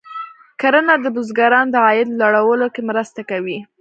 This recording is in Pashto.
کرنه د بزګرانو د عاید لوړولو کې مرسته کوي.